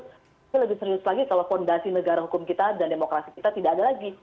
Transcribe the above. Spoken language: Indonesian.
tapi lebih serius lagi kalau fondasi negara hukum kita dan demokrasi kita tidak ada lagi